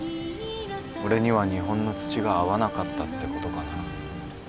俺には日本の土が合わなかったってことかな。